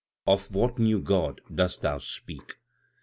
"Of what new God dost thou speak?